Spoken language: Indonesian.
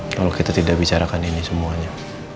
kalau kita tidak bicarakan ini semuanya